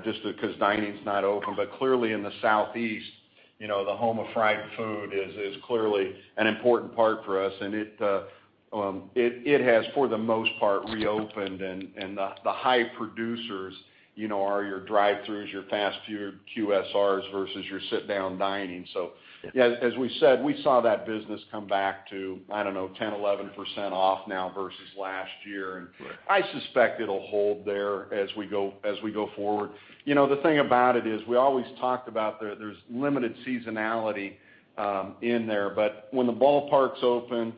just because dining's not open. But clearly in the Southeast, you know, the home of fried food is clearly an important part for us. And it has, for the most part, reopened. And the high producers, you know, are your drive-throughs, your fast food, QSRs versus your sit-down dining. So as we said, we saw that business come back to, I don't know, 10, 11% off now versus last year. And I suspect it'll hold there as we go forward. You know, the thing about it is we always talked about there's limited seasonality in there. But when the ballpark's open,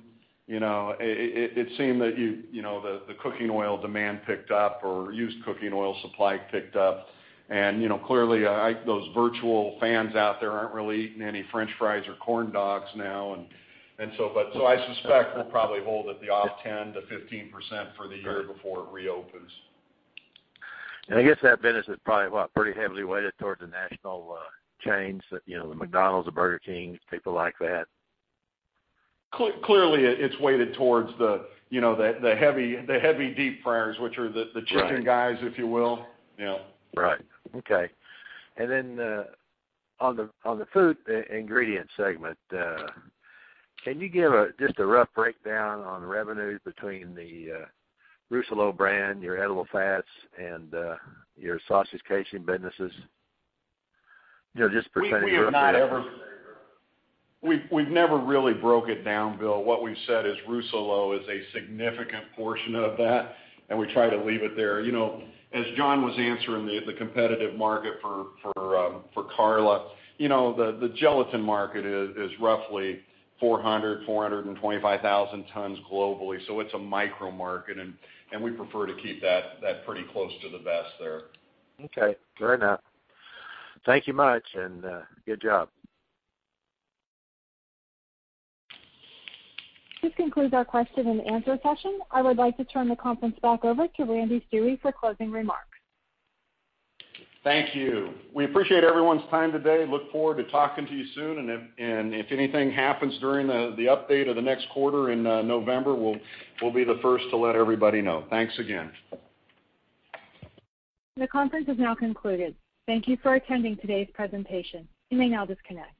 you know, it seemed that, you know, the cooking oil demand picked up or used cooking oil supply picked up. And, you know, clearly those virtual fans out there aren't really eating any French fries or corn dogs now. And so I suspect we'll probably hold at the off 10%-15% for the year before it reopens. I guess that business is probably, what, pretty heavily weighted towards the national chains, you know, the McDonald's, the Burger King, people like that. Clearly, it's weighted towards the, you know, the heavy deep fryers, which are the chicken guys, if you will. Yeah. Right. Okay. And then on the food ingredient segment, can you give just a rough breakdown on revenue between the Rousselot brand, your edible fats, and your sausage casing businesses? You know, just pertaining to your production. We've never really broke it down, Bill. What we've said is Rousselot is a significant portion of that, and we try to leave it there. You know, as John was answering the competitive market for Carla, you know, the gelatin market is roughly 400,000-425,000 tons globally. So it's a micro market, and we prefer to keep that pretty close to the vest there. Okay. Fair enough. Thank you much and good job. This concludes our question and answer session. I would like to turn the conference back over to Randy Stuewe for closing remarks. Thank you. We appreciate everyone's time today. Look forward to talking to you soon, and if anything happens during the update of the next quarter in November, we'll be the first to let everybody know. Thanks again. The conference is now concluded. Thank you for attending today's presentation. You may now disconnect.